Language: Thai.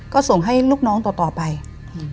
ก็ส่งให้ลูกน้องต่อต่อไปอืม